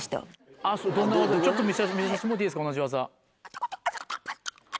ちょっと見さしてもろうていいですか同じ技。